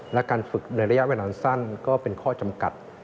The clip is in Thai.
และการฝึกในระยะเวลาสั้นก็เป็นข้อจำกัด